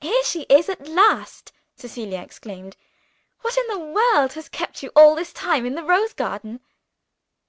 "Here she is at last!" Cecilia exclaimed. "What in the world has kept you all this time in the rose garden?"